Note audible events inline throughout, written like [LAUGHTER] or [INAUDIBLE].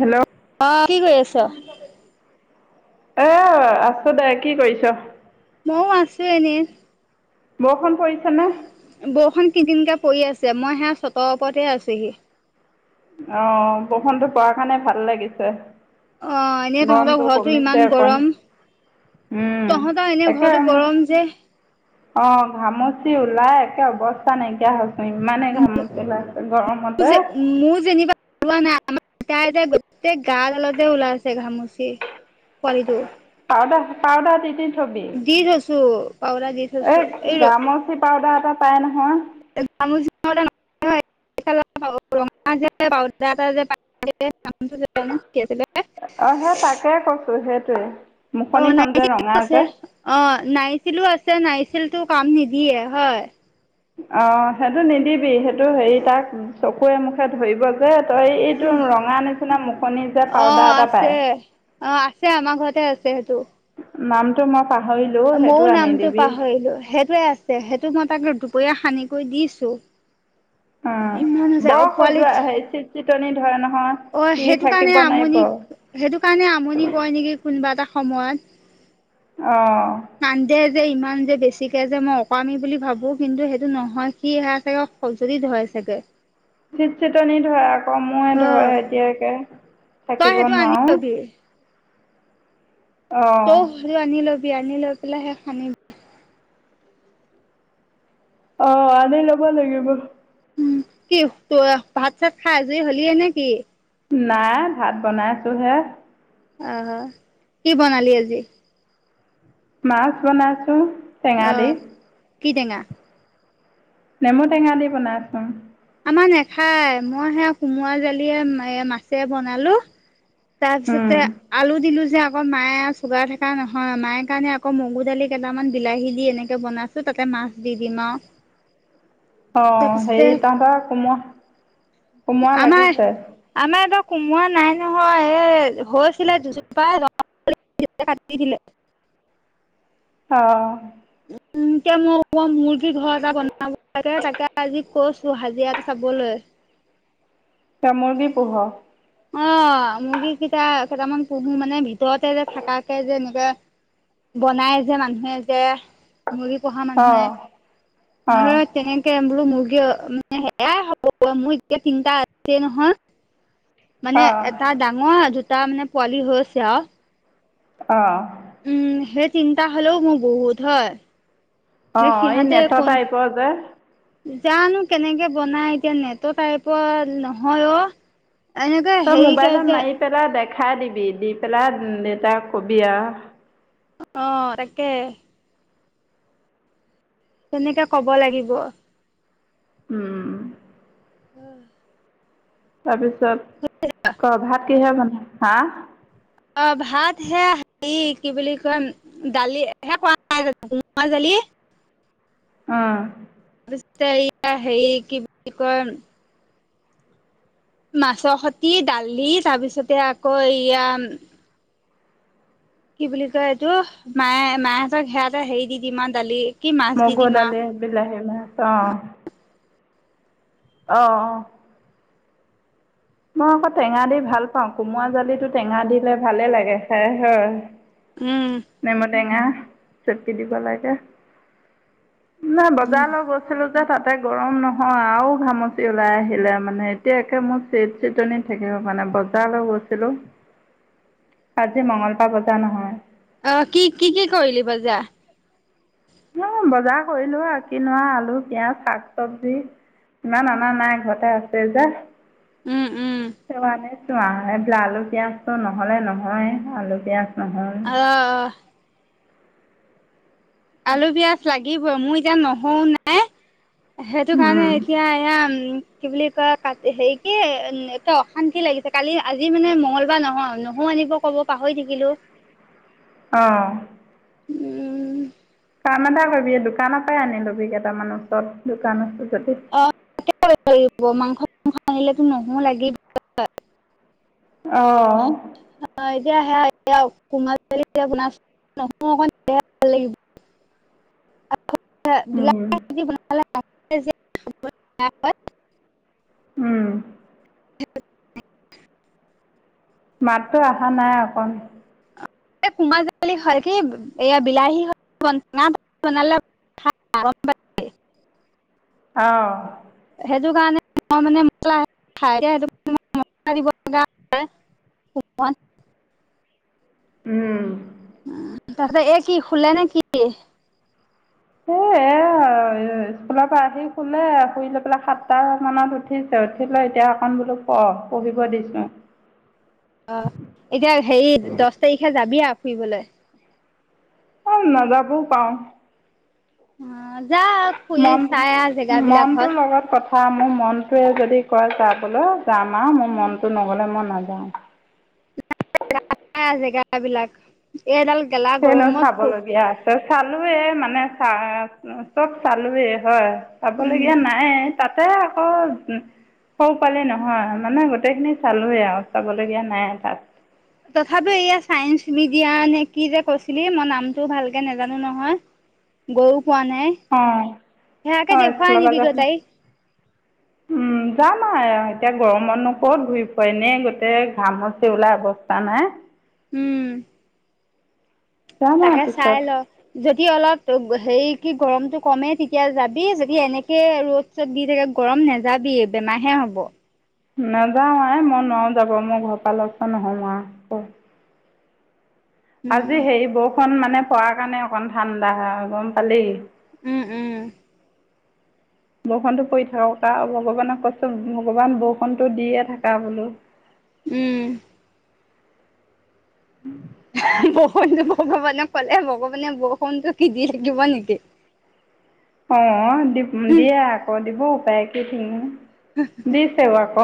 Hello. অ, কি কৰি আছ? এ আছ দে। কি কৰিছ? মও আছো এনেই। বৰষুণ পৰিছেনে? বৰষুণ কিন-কিনকে পৰি আছে, মই সেয়া চটৰ ওপৰতে আছোহি। অ, বৰষুণটো পৰা কাৰণে ভাল লাগিছে। অ এনেই তহঁতৰ গৰমটো ঘৰটো কমিছে ইমান অকণ গৰম। উম তহঁতৰ এনে একে ঘৰটো গৰম যে। অ ঘামচি ওলাই একে অৱস্থা নাইকিয়া হ'ল। ইমানে ঘামুচি ওলাইছে গৰমতে। [UNINTELLIGIBLE] গোটই গা ডালতে ওলাইছে ঘামুচি। পোৱালিটো। পাউদাৰ পাউদাৰ দি দি দি থৈছো, পাউদাৰ দি এ থৈছো এই ঘামচি পাউদাৰ এটা পাই নহয়। [UNINTELLIGIBLE] [UNINTELLIGIBLE] কি আছিলে? অ সেই তাকে কৈছো, সেইটোৱে অ মুখনিখন যে নাইচিলো ৰঙা আছে যে। অ নাইছিলো আছে, নাইছিলটো কাম নিদিয়ে হয়। অ সেইটো নিদিবি সেইটো হেৰি তাক চকুৰে মুখে ধৰিব। যে তই এইটো ৰঙা নিচিনা মুখনি যে পাউদাৰ এটা পায়। ছে আমাৰ ঘৰতে আছে সেইটো। নামটো মই পাহৰিলো। মও নামটো পাহৰিলো। সেইটোৱে আছে। সেইটো মই তাক দুপৰীয়া সানি কৰি দিছো। অ ইমান হৈছে বৰ অ পোৱালি খজুৱাই, হেৰী চিটচিটনি ধৰে নহয়। অ সি সেইটো থাকিব কাৰণে নোৱাৰিব আমনি, সেইটো কাৰণে আমনি কৰেয় নেকি কোনোবা এটা সময়ত। অ। কান্দে যে ইমান যে বেছিকে যে মই অকামি বুলি ভাবো কিন্তু সেইটো নহয় কি সে চাগে। সংছদি ধই চাগে। চিট চিতনি ধৰে আকৌ ময়ে অ ধৰে সেতিয়াকে। তই সেইটো আনি লবি। অঁ তোস সেটো আনি লবি আনি লৈ পেলাই সে সানিবি। অ আনি ল'ব লাগিব। উম কি ত ভাত চাত খাই আজুৰি হ'লি এ নে কি? নাই ভাত বনাইছোঁহে। অ কি বনালি আজি? মাছ বনাইছো। অ কি টেঙা? নেমু টেঙা দি বনাইচোন। আমাৰ নেখায় মই সে সোমৰা জালিয়ে এ মাছে বনালো। উম তাৰপিছতে আলু দিলো যে আকৌ মায়ে চুগাৰ থকা নহয় মায়ে কাৰণে আকৌ মগু দালি কেইটামান বিলাহী দি এনেকে বনাইছ- তাতে মাছ দি দিম আও। অ হেৰি তহঁতৰ কোমোহ আমাৰ আমাৰ এইটো কোমৰা নাই নহয়। এইহ হৈছিলে দুজোপা ৰঙা পৰিলে যে কাটি দিলে। অ। এতিয়া মই মুৰ্গীৰ ঘৰ এটা বনাব লাগে তাকে আজি কৈছো হাজিৰা এটা চাবলৈ। তই মুৰ্গী পোহ। অ মুৰ্গী কেইটা কেইটামান পোশু মানে ভিতৰতে যে থাকাকে যে এনেকুৱা বনাই যে মানুহে যে মুৰ্গী পোহা মানুহে অঁ ঘৰত। তেনেকে বোলো মুৰ্গী মানে সেয়াই হ'ব। মোৰ এতিয়া তিনটা আছে নহয়। মানে অঁ এটা ডাঙৰ দুটা মানে পোৱালি হৈছে আও। অ। উম সেই তিনটা হলেওঁ মোৰ বহুত হয়। অ সেই এই সিহঁতে নেটৰ কোন টাইপৰ যে। জানো কেনেকে বনাই। এতিয়া নেটৰ টাইপৰ নহয় অ। এনেকুৱা তই হেৰিকে মোবাইলত যে মাৰি পেলাই দেখাই দিবি, দি পেলাই দেউতাক কবি আ। অ তাকে। তেনেকে কব লাগিব। উম উম। অহ। তাৰপিছত ক ভাত কিহে বনাই? হা। অ ভাত হেয়া কি বুলি কম- দালি [UNINTELLIGIBLE] কোমোৰা জালি। অ। তে ইয়া হেৰি কি বুলি কয়ম? মাছৰ খতি দালি তাৰ পিছতে আকৌ এয়াম কি বুলি কয় এইটো। মায়ে মায়েহঁত সেয়াতে হেৰি দি দিম দালি। কি মাছ দি মগু, দিম আৰু দালি, বিলাহী মাছ অ। অ অ মই আকৌ টেঙা দি ভাল পাওঁ। কোমৰা জালিটো টেঙা দিলে ভালে লাগে খাই হয়। উম। নেমু টেঙা চেকি দিব লাগে। নাই বজাৰ লৈ গ'ল ছিলো যে তাতে গৰম নহয় আৰু ঘামচি ওলাই আহিলে মানে। এতিয়া একে - চিট চিটনি থাকিব পৰা নাই বজাৰলৈ গৈছিলোঁ। আজি মঙলবাৰ বজাৰ নহয়। অ কি কি কি কৰিলি বজাৰ? অ বজাৰ কৰিলোঁ আৰু কিনো আলু পিঁয়াজ শাক চবজি। ইমান অনা নাই ঘৰতে আছে যে। উম উম আনিছোঁ আ এইবিলাক আলু পিয়াজটো নহ'লে নহয় আলু পিয়াজ নহয়। অ অ আলু পিঁয়াজ লাগিবই মোৰ এতিয়া নহৰু নাই। সেইটো কাৰণে এতিয়া এয়া কি বুলি কয় কাট হেৰি কি একে অশান্তি লাগিছে কালি আজি মানে মঙলবাৰ নহয় নহৰু আনিব ক'ব। পাহৰি থাকিলোঁ। অ। উম। কাম এটা কৰিবি দোকানৰ পাই আনি লবি কেইটামান ওচৰত দোকান আছে যদি। অ ত লাগ মাংস আনিলেতো নহৰু লাগিবই। অ। অ এতিয়া সেয়া কোমোৰা চবজি অকন বনাইছোঁ নহৰু অকণ দিলে ভাল লাগিব। [INAUDIBLE] উম [UNINTELLIGIBLE] উম মাতটো আহা নাই অকণ। কোমোৰা জালি ভালকে এয়া বিলাহী হয় বনালে [UNINTELLIGIBLE] অ। সেইটো কাৰণে মই মানে মছলা লগা উম উ তহঁত এই কি শুলে নেকি? এ এ স্কুলপা আহি শুলে শুই লৈ পেলাই সাতটা মানত উঠিছে উঠিলৈ এতিয়া অকণ বোলোঁ ক পঢ়িব দিছোঁ। অ এতিয়া হেৰি দহ তাৰিখে যাবি আৰু ফুৰিবলে। অ নাযাবওঁ পাৰোঁ। অ যা ফুৰি মানটো চাই আহ জেগাবিলাক মানটো হত লগত প চা মোৰ মনটোৱে যদি কয় যাবলৈ যাম আৰু মোৰ মনটো নগ'লে মই নাযাওঁ। চাই আহ জেগাবিলাক এইডাল গেলা গৰমত খু চালোৱেই মানে চ চব চালোঁৱেই হয় উম চাবলগীয়া নাই। তাতে আকৌ সৌ পালে নহয় মানে গোটেইখিনি চালোঁৱেই আৰু চাবলগীয়া নাই তাত। তথাপি এয়া চাইন্স মিডিয়া নে কি যে কৈছিলি মই নামটো ভালকে নাজানোঁ নহয়। গয়ো পোৱা নাই। অ সেয়াকে হয় দেখুৱাই স্কুলৰ পা আনিবি গৈ গৈছিলোঁ তাইক উম। যাম আও এতিয়া গৰমতো ক'ত ঘূৰি ফুৰে এনে গোটেই ঘামচি ওলায় অৱস্থা নাই। উম যাম আৰু তাকে চাই পিছত লওঁ যদি অলপ হেৰি কি গৰমটো কমে তেতিয়া যাবি যদি এনেকেই ৰ'দ চত দি থাকে গৰম নেযাবি বেমাৰ হে হ'ব। নাযাওঁ আই মই নোৱাৰোঁ যাব মই ঘৰৰ পৰা লৰ চৰ নহ'ও আও উম আজি হেৰি বৰষুণ মানে পৰাৰ কাৰণে অকণ ঠাণ্ডা গম পালি উম উম [INAUDIBLE] বৰষুণটো পৰি থাকক আও ভগৱানক কৈছো ভগৱান বৰষুণটো দিয়ে থাকা বোলো উম [INAUDIBLE] বৰষুণটো ভগৱানে ক'লে ভগৱানে বৰষুণটো কি দি থাকিব নেকি অ দিব দিয়ে আকৌ দিবও পাৰে কি থিক, দিছে ৱক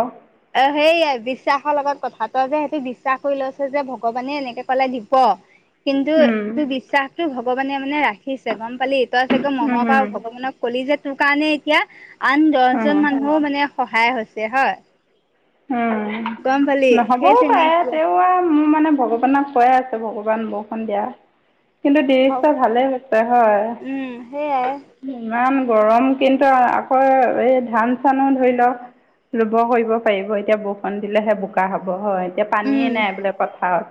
অ সেইয়া বিশ্বাসৰ লগত কথা তই যে সেইটি বিশ্বাস কৰি লৈছে যে ভগৱানে এনেকে কলে দিব কিন্তু উম তোৰ বিশ্বাসটো ভগৱানে মানে ৰাখিছে গম পালি তই চাগে মনৰ পা উম ভগৱানক কলি যে তোৰ কাৰণে এতিয়া আন দহ উম জন মানুহও মানে সহায় হৈছে হয়। উম গম পালি সেই নহ'বও পাৰে তেনেকুৱা তেওঁ আও মোৰ মানে ভগৱানক কৈয়ে আছো ভগৱান বৰষুণ দিয়া। কিন্তু দিছে ভালেই হৈছে হয়। উম সেইয়াই ইমান গৰম কিন্তু আকৌ এই ধান চানো ধৰি লওক ৰুব কৰিব পাৰিব এতিয়া বৰষুণ দিলেহে বোকা হব হয়। এতিয়া পানীয়ে উম নাই বোলে পথাৰত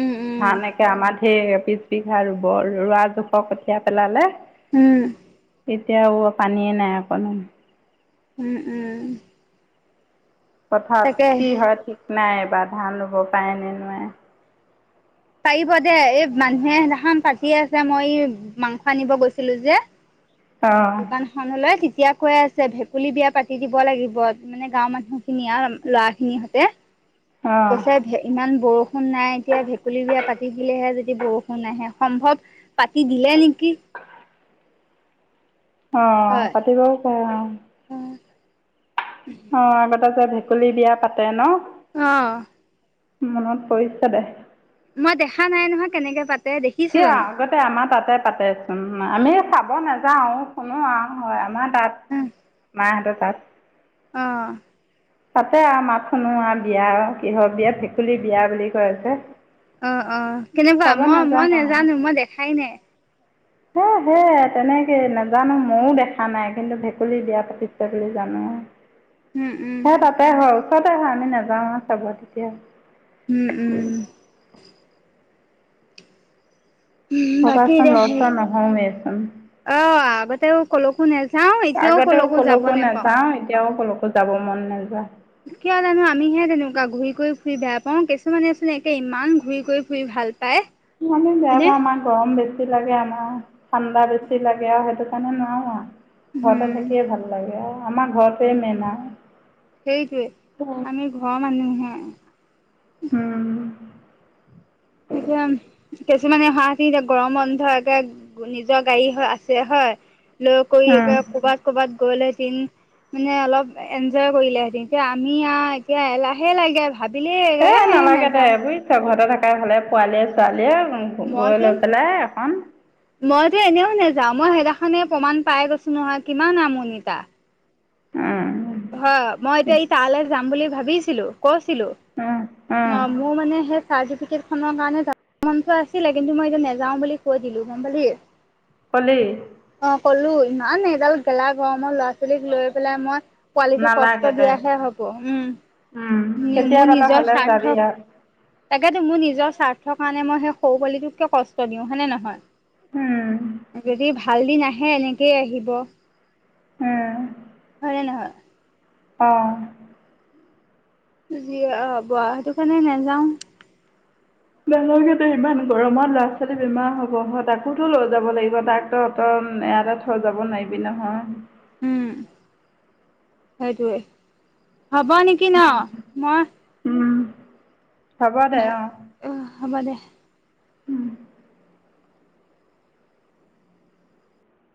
উম উম ধান একে আমাৰ সেই পিছবিঘা ৰুব ৰোৱা দখৰ কঠীয়া পেলালে উম তেতিয়াও পানীয়েই নাই অকণো উম উম পথাৰত তাকে কি হয় ঠিক নাই এবাৰ ধান ৰুব পাৰে নে নোৱাই। পাৰিব দে এই মানুহে পাতি আছে মই মাংস আনিব গৈছিলো যে অঁ দোকান খনলৈ তেতিয়া কৈ আছে ভেকুলী বিয়া পাতি দিব লাগিব। মানে গাঁওৰ মানুহ খিনি আৰু ল'ৰা খিনি সতে অঁ কৈছে ইমান বৰষুণ নাই এতিয়া ভে কুলী বিয়া পাতি দিলেহে যদি বৰষুণ আহে সম্ভৱ পাতি দিলে নেকি। অ পাতিবও পাৰে অ হয় অ আগতে যে ভেকুলী বিয়া পাতে ন? অ মনত পৰিছে দে। মই দেখা নাই নহয় কেনেকে পা কিয় আগতে আমাৰ তাতে পাতেচোন আমি চাব নাযাও শুনো আও হয় আমাৰ তাত মাহতৰ তাত অ তাতে আৰু মাত শুনো আৰু বিয়া আৰু কিহৰ বিয়া ভেকুলীৰ বিয়া বুলি কৈ আছে। অ অ কেনেকুৱা মই মই নাযাওঁ নেজানো মই দেখাই নাই। হেই হে তেনেকে নাজানো ময়ো দেখা নাই কিন্তু ভেকুলী বিয়া পাতিছে বুলি জানো। উম উম সে তাতে হয় ওচৰতে হয় আমি নাযাওঁ আও চাব তেতিয়া। উম উম বাকী ভবাচোন এতিয়া হেৰি লৰচৰ নহৱে চোন অ আগতেও কলকো নাযাও এতিয়াও কলকো যাব নেপাও। নেযাও এতিয়াও কলো কতো জাব মন নেযায়? কিয় জানো আমিহে তেনেকুৱা ঘূৰি কৰি ফুৰি বেয়া পাওঁ কিছুমানেচোন একে ইমান ঘূৰি কৰি ফুৰি ভাল- পায় মানে হয়নে জেগা মান- গৰম বেছি লাগে আমাৰ ঠাণ্ডা বেছি লাগে আৰু সেইটো কাৰণে নোৱাৰো আও ঘৰতে উম থাকিয়ে ভাল লাগে আমাৰ ঘৰতোৱে মেইন আও সেইটোয়ে আমি ঘৰৰ মানুহ হে উম এতিয়া- কিছুমানে হা দি দিয়ে, গৰম বন্ধ একে নিজৰ গাড়ী আছে হয়। লৈ কৰি একে উম। কবাত কবাত গ'ল হেতিন- মানে অলপ এনজয় কৰিলেহেতেন, এতিয়া আমি আ এতিয়া এলাহে লাগে। ভাবিলে- এ নালাগে দে বুজিছ ঘৰতে থাকাই ভালে পোৱালীয়ে ছোৱালীয়ে। গৈ মইচোন লৈ পেলাই এখন। মইতো এনেও নেযাও, মই সেইদিনাখনে প্ৰমাণ পাই গৈছো নহয় কিমান আমনি তা। উম হয় মই এতিয়া ই তালৈ যাম বুলি ভাবিছিলো কৈছিলো। উম উম অ মোৰ মানে সেই চাৰ্টিফিকেটখনৰ কাৰণে- মনটো আছিলে, কিন্তু মই এতিয়া নাযাও বুলি কৈ দিলো গম পালি। কলি অ ক'লো, ইমান এডাল গেলা গৰমৰ ল'ৰা ছোৱালীক লৈ পেলাই মই- পোৱালিটো নালাগে কষ্ট দে দিয়াহে হ'ব উম মোৰ কেতিয়াবালে নিজৰ হ'লে যাবি স্বাৰ্থক- আৰু তাকেতো মোৰ নিজৰ স্বাৰ্থৰ কাৰণে মই সেই সৰু পোৱালিটোক কিয় কষ্ট দিওঁ হয় নে উম নহয়। যদি ভাল দিন আহে এনেকেই আহিব। উম হয় নে নহয়? অঁ যি হয় হব আও সেইটো কাৰণে নেযাওঁ। গ'লে যদি ইমান গৰমত ল'ৰা ছোৱালী বেমাৰ হ'ব হয় তাকোতো লৈ যাব, লাগিব তাক- ত ত তম এয়াতে থৈ যাব নোৱাৰিবি নহয়। উম সেইটোৱে হ'ব নেকি ন মই- উম হ'ব দে অঁ। অ হ'ব দে। উম